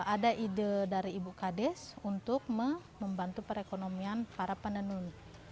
ada ide dari ibu kades untuk membantu perekonomian para penenun